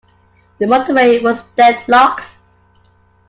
The motorway was deadlocked.